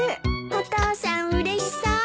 お父さんうれしそう。